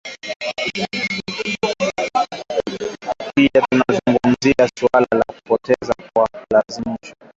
Pia tulizungumzia suala la kupotea kwa kulazimishwa mauaji holela suala la kile kinachojulikana